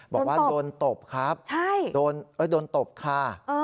บอกว่าโดนตบครับโดนตบค่ะ